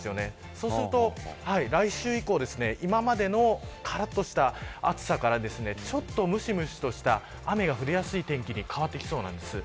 そうすると来週以降今までのからっとした暑さからちょっと、むしむしとした雨が降りやすい天気に変わってきそうなんです。